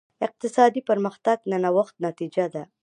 اقتصادي پرمختګ د نوښت نتیجه ده.